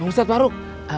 bang ustadz faruk